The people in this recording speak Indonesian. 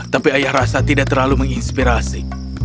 tapi ayah rasa tidak terlalu menginspirasi